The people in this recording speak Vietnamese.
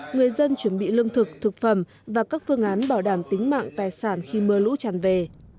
người dân chuẩn bị lương thực thực phẩm và các phương án bảo đảm tính mạng tài sản khi mưa lũ tràn về